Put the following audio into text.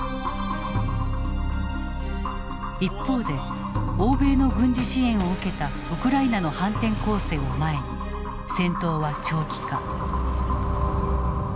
一方で欧米の軍事支援を受けたウクライナの反転攻勢を前に戦闘は長期化。